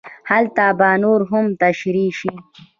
هلته به نور هم تشرېح شي.